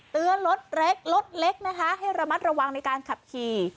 รถเล็กรถเล็กนะคะให้ระมัดระวังในการขับขี่